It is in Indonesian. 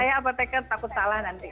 saya apoteken takut salah nanti